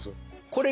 これ。